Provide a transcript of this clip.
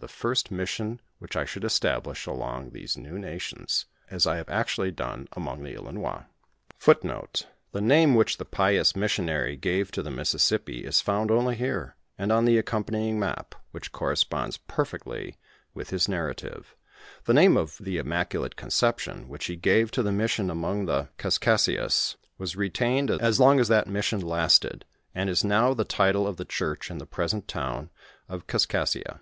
The first nation that we met was that of the "Wild Oats.f I entered their river to visit them, as we have preached the * The name which the pious missionary gave to the Mississippi, is found only here, and on the accompanying map, which corresponds perfectly with his nar rative. Tlie name of the Immaculate Conception, which he gave to the mission among the Kaskaskias, was retained as long as that mission Listed, and is now the title of the church in the present town of Kaskaskia.